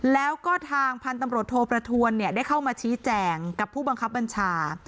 แล้วก็ทางพันธุ์ตำรวจโทประทวนได้เข้ามาชี้แจงกับผู้บังคับบัญชา